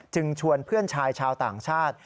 ชวนเพื่อนชายชาวต่างชาติ